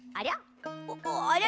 ありゃ？